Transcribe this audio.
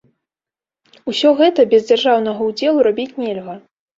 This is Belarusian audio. Усё гэта без дзяржаўнага ўдзелу рабіць нельга.